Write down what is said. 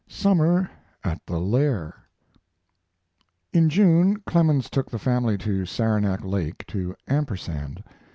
SUMMER AT "THE LAIR" In June Clemens took the family to Saranac Lake, to Ampersand.